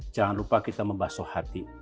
jangan lupa kita membaso hati